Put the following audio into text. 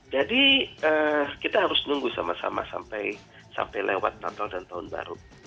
jadi kita harus menunggu sama sama sampai lewat total dan tahun baru